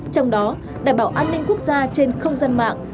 trong đó đảm bảo an ninh quốc gia trên không gian mạng